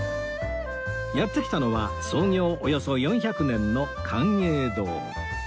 やって来たのは創業およそ４００年の寛永堂